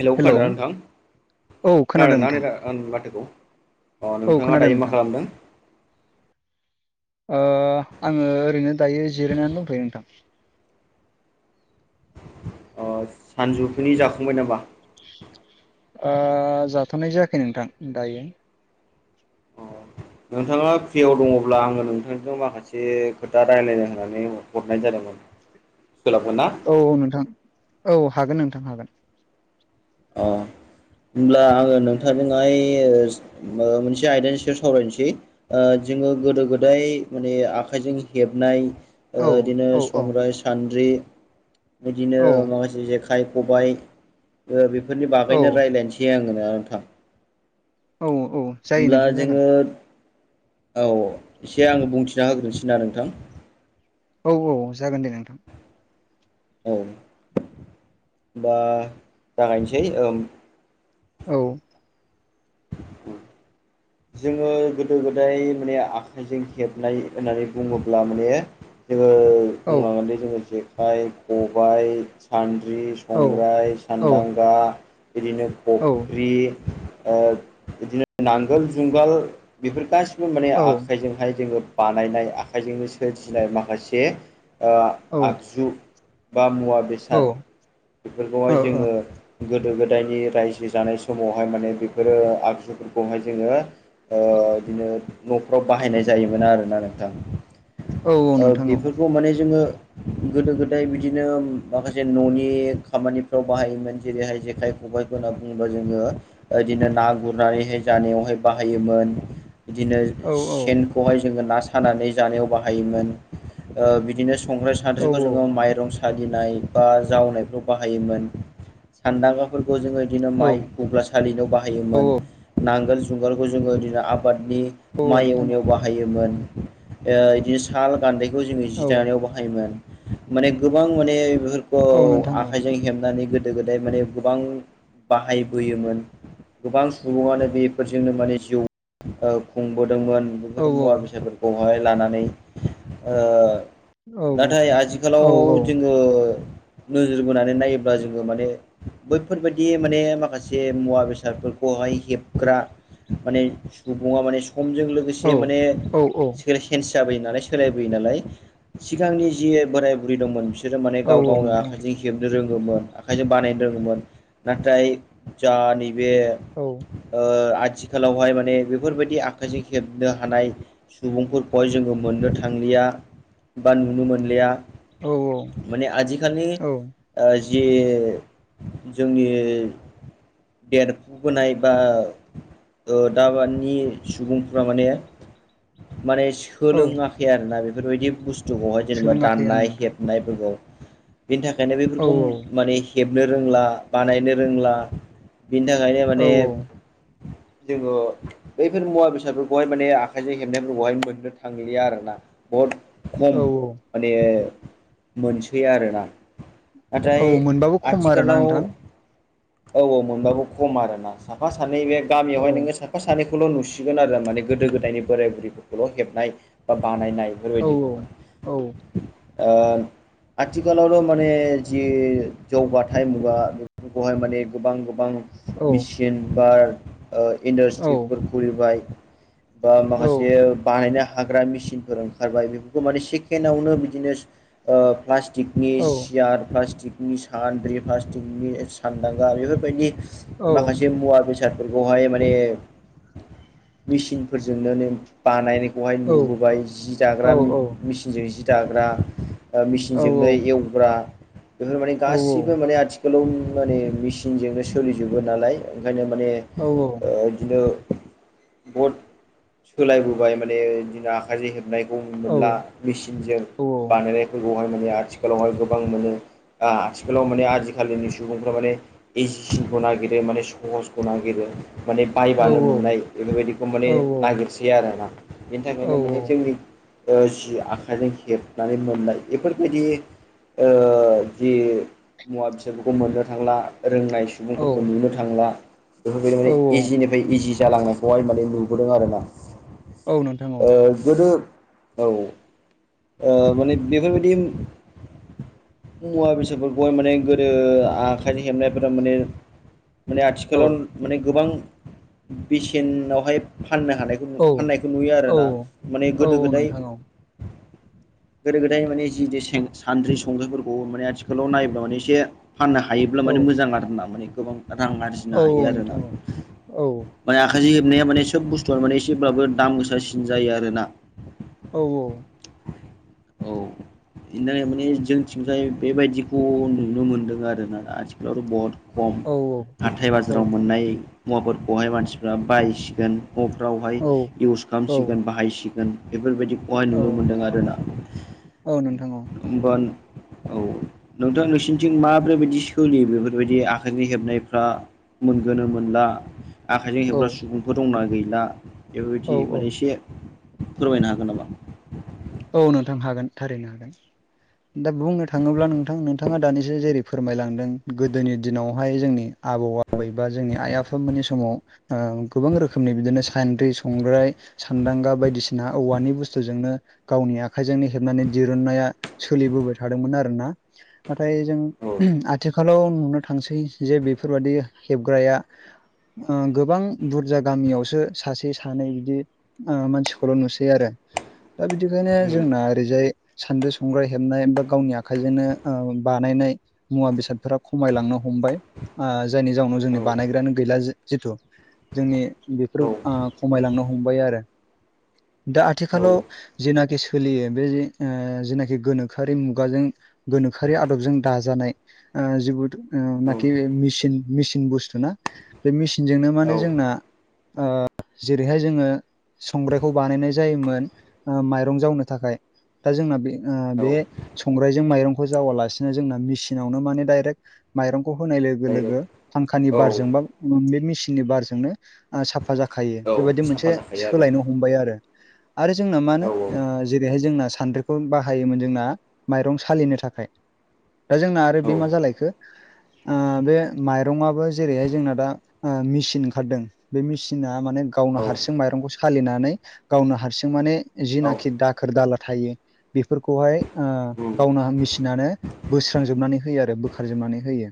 Hello खोनादोंना नोंथां औ खोनादों खोनादोंना नोंथां नै आं आंनि माथोखौ अ औ नोंथाङा खोनादों दायो मा नोंथां खालामदों ओ आङो ओरैनो दायो जिरायनानै दंथ'यो नोंथां अ सानजुफुनि जाखांबाय नामा अ जाथ'नाय जायाखै नोंथां दायो अ नोंथाङा फ्रिआव दङब्ला आङो नोंथांजों माखासे खोथा रायलायनो होननानै हरनाय जादों अ सोलाबगोन ना? औ औ नोंथां औ हागोन नोंथां हागोन अ होमब्ला आङो नोंथांजोंहाय ओ ओ मोनसे आयदानि सायाव सावरायनसै ओ जोङो गोदो गोदाय माने आखाइजों हेबनाय औ ओ इदिनो औ औ संग्राय सान्द्रि बिदिनो औ माखासे जेखाइ खबाय ओ बेफोरनि औ बागैनो रायज्लायनसै आङो ना नोंथां औ औ जायो होमब्ला नोंथां जागोन जोङो औ एसे आं बुंथिना होग्रोनोसै ना नोंथां औ औ जागोन दे नोंथां औ होनबा जागायनसै औ औ [inaudible] जोङो गोदो गोदाय माने आखाइजों हेबनाय होननानै बुङोब्ला माने जोङो औ बुंलांगोन दि जोङो जेखाइ खबाइ सान्द्रि औ संग्राय औ सान्दांगा बिदिनो ख औ ओ बिदिनो नांगोल जुंगाल बेफोर गासिबो माने औ आखाइजोंहाय जोङो बानायनाय आखाइजोंनो सोरजिनाय माखासे ओ औ आगजु बा मुवा बेसाद औ बेफोरखौहाय जोङो गोदो गोदायनि रायजो जानाय समावहाय माने बेफोरो आगजुफोरखौहाय जोङो ओ इदिनो न'फ्राव बाहायनाय जायोमोन आरोना नोंथां औ ओ नोंथां औ बेफोरखौ माने जोङो गोदो गोदाय बिदिनो माखासे न'नि खामानिफ्राव बाहायोमोन जेरैहाय जेखाय खबाइफोर होनना बुङोबा जोङो इदिनो ना गुरनानैहाय जानायावहाय बाहायोमोन इदिनो औ औ सेन खौहाय जों ना सानानै जानायाव बाहायोमोन बिदिनो संग्राय औ साद्रिखौ जोङो माइरं सालिनाय बा जावनायफ्राव बाहायोमोन सानदांगा फोरखौ जोङो इदिनो औ माइ गुग्ला सालिनायाव औ बाहायोमोन नांगोल जुंगालखौ जोङो इदिनो आबादनि औ माइ नोंथां औ एवनायाव बाहाय बाहायोमोन ओ इदिनो साल गान्दैखौ जोङो जि औ दानायाव बाहायोमोन माने गोबां माने बेफोरखौ औ नोंथां औ आखाइजों हेबनानै गोदो गोदाय माने गोबां बाहायबोयोमोन गोबां सुबुङानो बेफोरजोंनो माने जिउ ओ खुंबोदोंमोन औ बेफोर मुवा बेसादफोर खौहाय लानानै ओ नाथाय आथिखालाव औ औ जोङो नोजोर बोनानै नायोब्ला जोङो माने बैफोरबायदि माने माखासे मुवा बेसादफोर बहाय हेबग्रा माने सुबुंआ माने समजों लोग औ गोसे माने औ औ सोर सेन्स जाबोयो नालाय सोलायबोयो नालाय सिगांनि जि बोराय बुरै दंमोन बि बिसोरो माने औ गाव गावनो नोंथां आखाइजों हेबनो रोङोमोन आखाइजों बानायनो रोङोमोन नाथाय जा नैबे औ ओ आथिखालावहाय माने बेफोरबायदि आखाइजों हेबनो हानाय सुबुंफोरखौहाय जोङो मोननो थांलिया बा नुनो मोनलेया औ माने आजिखालि औ ओ जे जोंनि देर बोनाय बा ओ दाबानि सुबुंफोरा माने [unintelligible] औ सोलोङाखै आरो ना बेफोरबायदि बुस्थुखौहाय जेनेबा सोलोङाखै आं दाननाय नोंथां हेबनायफोरखौ बेनि थाखायनो औ बेफोरखौ माने हेबनो रोंला बानायनो रोंला बिनि थाखायनो औ माने जो बैफोर मुवा बेसादफोरखौहाय माने आखाइजों हेबनायफोरखौहाय मोननो थांलिया आरो ना बहुद खम औ माने मोनसै आरोना नाथाय औ मोनबाबो खम आरोना आथिखालाव नोंथां औ औ मोनबाबो खम आरो ना साफा सानै बे औ गामियावहाय नोङो साफ साफा सानैखौल' नुसिगोन आरो माने गोदो गोदायनि बोराय बुरैफोरखौल' हेबनाय बा बानायनाय औ बेफोरबायदि औ दङ ओ आथिखालावथ' माने जि जौगाथाय मुगा खौहाय माने गोबां गोबां औ मिचिन बार ओ औ इन्डास्ट्रिफोर खुलिबाय ओ औ माखासे बानायनो हाग्रा मिसिनफोर ओंखारबाय बेफोरखौ माने सेकेणडावनो बिदिनो ओ प्लास टिकनि औ सियार प्लास्टिकनि सानद्रि प्लास्टिकनि सानदांगा बेफोरबायदि औ माखासे मुवा बेसादफोरखौहाय माने मेचिनफोरजोंनो बानायनायखौहाय नुबोबाय जि औ दाग्रा औ मेचिनजों जि दाग्रा ओ औ मिसिनजोंनो एवग्रा बेफोर माने गासिबो माने आथिख [unintelligible] माने मेसिनजोंनो सोलिजोबो नालाय ओंखायनो माने ओ इदिनो बुहद सोलायबोबाय माने दिना आखाइजों हेबनायखौ मोनला मेसिनजों बानायनाय फोरखौहाय माने आथिखालावहाय गोबां मोनो आ आथिखालाव माने आजिखालिनि सुबुंफ्रा माने एजिसिन खौ नागिरो माने सहसखौ नागिरो माने बायबानो मोननाय बेफोरबायदिखौ माने नागिरसै आरो ना बेनि थाखायनो माने जोंनि ओ जि आखाइजों हेबनानै मोननाय इफोरबायदि ओ जि मुवा बेसादफोरखौ मोननो थांला रोंनाय सुबुंफोरखौ नुनो थांला बेफोरबायदि माने औ इजिनि इजि जालांनायखौहाय माने नुबोदों आर ना औ नोंथां औ गोदो औ माने बेफोरबायदि मुवा बेसादफोरखौहाय माने गोदो आखाइ हेबनायफोरा माने माने औ आथिखालाव माने गोबां बेसेनावहाय फाननो हानाय औ फाननायखौ नुयो औ आरोना माने औ गोदो गोदाय नोंथां गोदो गोदायनि माने जि सानद्रि संख्रिफोरखौ माने आथिखालाव नायोब्ला माने एसे फाननो हायोब्ला औ माने मोजां आर ना माने गोबां रां औ आरजिनो औ हायो आर ना नोंथां औ औ माने आखाइजों हेबनाया माने सोब बुस्थुआ माने एसेब्लाबो दाम गोसासिन जायो आरोना औ औ औ बेनिनो माने जोंथिंजाय बेबायदिखौ नुनो मोनदों आरोनाा आथिखालावथ' बहुद खम औ हाथाय औ बाजाराव मोननाय मुवाफोरखौहाय मानसिफ्रा बायसिगोन अफ्रावहाय इउस औ खालामसिगोन बाहायसिगोन बेफोरबायदि बेहाय औ नुनो मोन्दों आरोना औ नोंथां औ होमबा औ नोंथाङा नोंसोरनिथिं माब्रैबायदि सोलियो बेफोरबायदि आ आखाइनि हेबनायफ्रा मोनगोनो मोनला आखाइजों औ हेबग्रा सुबुंफोर दंना गैला औ बेफोरबायदि माने औ एसे फोरमायनो हागोन नामा औ नोंथां हागोन थारैनो हागोन [inaudible] दा बुंनो थाङोब्ला नोंथां नोंथाङा दानिसो जेरै फोरमायलांदों गोदोनि दिनावहाय जोंनि आबौ बबैबा जोंनि आइ आफाामोनानि समाव गोबां रोखोमनि बिदिनो सान्द्रि संग्राय सान्दांगा बायदिसिना औवानि बुस्थुजोंनो गावनि आखाइजोंनो हेबनानै दिरुन्नाया सोलिबोबाय थादोंमोन आरो ना नाथाय जों औ आथिखाल खालाव नुनो थांसै जे बेफोरबायदि हेबग्राया गोबां बुरजा गामियावसो सासे सानै बिदि मानसिखौल' नुसै आरो बिखायनो उम जोंना ओरैजाय सान्द्रि संग्राइ हेबनाय बा गावनि आखाइजोंनो बानायनाय मुवा बेसादफोरा खमायलांनो हमबाय जायनि जाउनाव जोंनि औ बानायग्रायानो गैला जिथु जोंनि बेफोर औ खमायलांनो हमबाय आरो दा औ आथिखालाव जेनाखि सोलियो बे जेनाखि गोनोखोआरि मुगाजों गोनोखोआरि आदबजों दाजानाय [inaudible] औ बे मेसिनजोंनो औ माने जोंना ओ जेरैहाय जोङो संग्रायखौ बानायनाय जायोमोन ओ माइरं जावनो थाखाय दा जोंना बे औ बे संग्राइजों माइरंखौ जावालासिनो जोंना मेसिनावनो माने डाइरेक्ट माइरंखौ होनाय लोगो लोगो डाइरेक्ट फांखानि औ बारजोंबा बे मेसिननि बारजोंनो साफा जाखायो औ बेबायाददि साफा मोनसे जाखायो आरो सोलायनो हमबाय आरो आरो जोंना मा ओ होनो जेरैहाय जोंना सान्द्रिखौ बाहायोमोन जोंना माइरं सालिनो थाखाय दा जोंना आरो औ बे मा जालायखो बे माइरंआबो जेरैहाय जोंना दा मेसिन ओंखारदों बे मेसिना माने गावनो औ हारसिं माइरंखौ सालिनानै गावनो हारसिं जों माने औ औ जिनाखि दाखोर दाला थायो बेफोरखौहाय ओ उम गावनो मेसिनानो बोस्रांजोबनानै होयो आरो बोखारजोबनानै होयो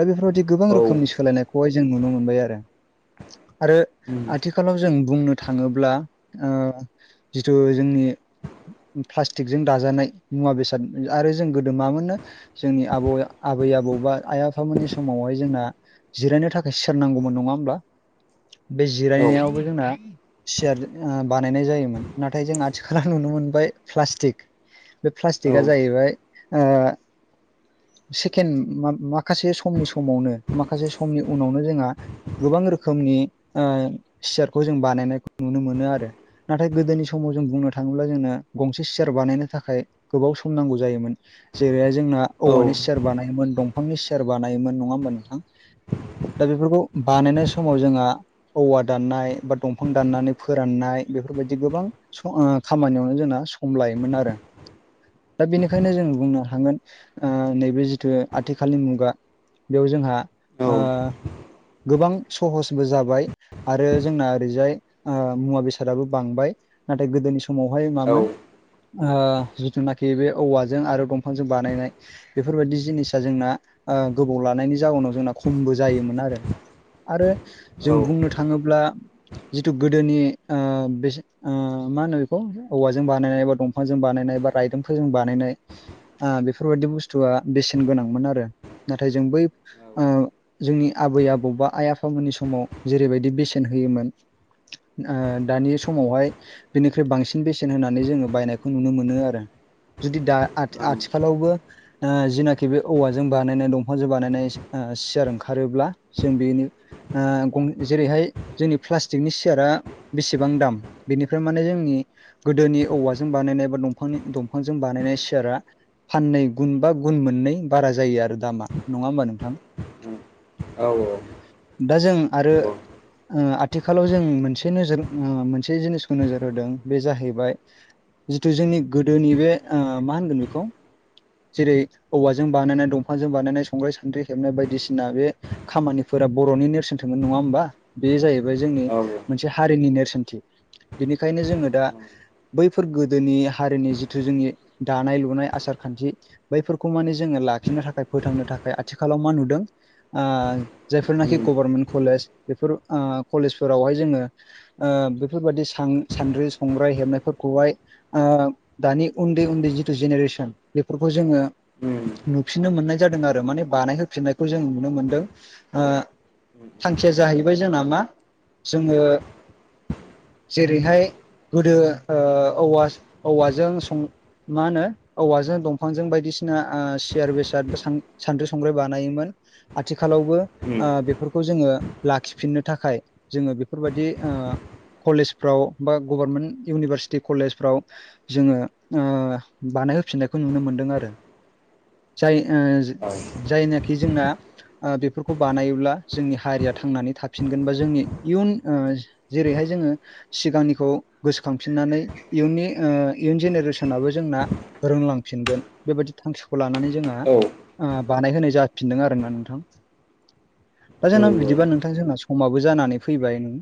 दा बेफोरबायदि गोबां औ रोखोमनि सोलायनाय खौहाय जों नुनो मोनबाय आरो आरो उम आथिखालाव जों बुंनो थाङोब्ला ओ जिथु जोंनि प्लास्टिकजों दाजानाय मुवा बेसाद आरो जों गोदो मामोननो जोंनि आबौ आबै आबौ बा आइ आफामोननि समावहाय जोंना जिरायनो थाखाय सियार नांगौमोन नङा होमब्ला बे औ औ जिरायनायावबो जोंना सियार ओ बानायनाय जायो मोन नाथाय जों आथिखालाव नुनो मोनबाय प्लास्टिक बे औ प्लास्टिकआ जाहैबाय ओ सेकेण्ड मा-माखासे समनि समावनो माखासे समनि उनावनो जोंहा गोबां रोखोमनि ओ सियारखौ जों बानायनायखौ नुनो मोनो आरो नाथाय गोदोनि समाव जों बुंनो थाङोब्ला जोंना गंसे सियार बानायनो थाखाय गोबाव सम नांगौ जायोमोन जेरैहाय जोंना औवानि सियार बानायोमोन दंफांनि सियार बानायोमोन नङा होमबा नोंथां दा बेफोरखौ बानायनाय समाव जोंहा औवा दाननाय बा दंफां दाननानै फोराननाय बेफोरबायदि गोबां स ओ खामानियावनो जोंना सम लायोमोन आरो दा बेनिखायनो जों बुंनो हागोन ओ नैबे जिथु आथिखालनि मुगा बेयाव जोंहा ओ गोबां सहसबो जाबाय आरो जोंना ओरैजाय ओ मुवा बेसाद सादाबो बांबाय नाथाय गोदोनि समावहाय औ मामोन ओ जिथुनाखि बे औवाजों आरो दंफांजों बानायनाय बेफोरबायदि जिनिसा जोंना ओ गोबाव लानायनि जाउनाव जोंना खमबो जायोमोन आरो आरो जों बुंनो थाङोब्ला जिथु गोदोनि ओ बेसे ओ मा होनो बेखौ औवाजों बानायनाय बा दंफांजों बानायनाय बा रायदोंफोरजों बानायनाय आ बेफोरबायाददि बुस्थुआ बेसेन गोनांमोन आरो नाथाय जों बै ओ जोंनि आबै आबौ बा आइ आफामोननि समाव जेरैबायदि बेसेन होयोमोन ओ दानि समावहाय बेनिख्रुइ बांसिन बेसेन होनानै जोङो बायनायखौ नुनो मोनो आरो जुदि दा आथ-आथिखालावबो ओ जिनाखि बे औवाजों बानायनाय दंफांजों बानायनाय ओ सियार ओंखारोब्ला जों बेनि ओ गं जेरैहाय जोंनि प्लास्टिकनि सियारा बेसेबां दाम बेनिफ्राय माने जोंनि गोदोनि औवाजों बानायनाय बा दंफांनि दंफांजों बानायनाय सियारा फाननै गुन बा गुन मोननै बारा जायो आरो दामा नङा होमबा नोंथां ओं दा जों आरो ओ आथिखालाव जों मोनस मोनसे नोजोर ओ मोनसे जिनिसखौ नोजोर होदों बे जाहैबाय जिथु जोंनि गोदोनि बे मा होनगोन बेखौ जेरै औवाजों बानायनाय दंफांजों बानायनाय संग्राय, सान्द्रि हेबनाय बायदिसिना बे खामानिफोरा बर'नि नेरसोन सोमोन नङा होमबा बे जाहैबाय जोंनि ओं औ नंगौ औ मोनसे हारिनि नेरसोनथि बिनिखायनो जोङो दा बैफोर गोदोनि हारिनि जिथु जोंनि दानाय लुनाय आसार खान्थि बैफोरखौ माने जोङो लाखिनो थाखाय फोथांनो थाखाय आथिखालाव मा नुदों आ जायफोरनाखि उम गभारनमेन्ट कलेज बेफोर ओ कलेजफोरावहाय जोङो ओ बेफोरबायदि सान्द्रि संग्राय हेबनायफोरखौहाय ओ दानि उन्दै उन्दै जिथु जेनेरेसन बेफोरखौ जोङो उम नुफिननो मोननाय जादों आरो माने बानायहोफिननायखौ जों नुनो मोनदों ओ उम थांखिया जाहैबाय जोंना मा जोङो जेरैहाय गोदो ओ औवा औवाजों सं मा होनो औवाजों दंफांजों बायदिसिना ओ सियार बेसाद सान सान्द्रि संग्राय बानायोमोन आथिखालावबो ओ बेफोरखौ जोङो लाखिफिननो थाखाय जोङो बेफोरबायदि ओ कलेजफ्राव बा गभारमेन्ट इउनिभारसिटि कलेजफ्राव जोंङो ओ बानायहोफिननायखौ नुनो मोनदों आरो जाय औ जायनाखि जोंना ओ बेफोरखौ बानायोब्ला जोंनि हारिया थांनानै थाफिनगोन बा जोंनि इयुन जेरैहाय जोंङो सिगांनिखौ गोसोखांफिननानै इयुननि ओ इयुन जेनेरेसनाबो जोंना रोंलांफिनगोन बेबायदि थांखिखौ लानानै जोहा औ ओ बानायहोनाय जाफिनदों आरोना नोंथां। दा जोंना नंगौ बिदिबा नोंथां जोंना समाबो जानानै फैबाय नों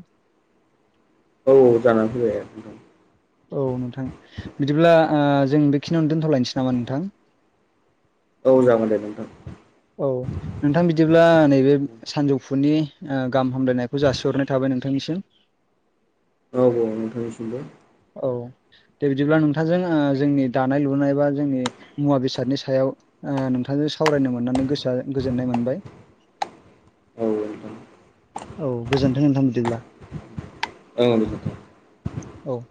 औ औ जानानै फैबाय नोंथां। औ नोंथां बिदिब्ला ओ जों बेखिनियावनो दोनथ'लायनोसै नामा नोंथां। औ जागोन दे नोंथां औ नोंथां बिदिब्ला नैबे सानजौफुनि गाहाम हामलायनायखौ जासिहरनाय थाबाय नोंथांनिसिम। म उ थैस दा [unintelligible] [inaudible] औव दे बिदिब्ला नोंथांजों जोंनि दानाय लुनाय बा जोंनि मुवा बेसादनि सायाव ओ नोंथांजों सावरायनो मोननानै गोसोआ गोजोननाय मोनबाय। [inaudible] औ गोजोन्थों नोंथां बिदिब्ला। ए औव